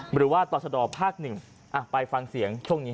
หรือว่าต่อชะดอภาค๑ไปฟังเสียงช่วงนี้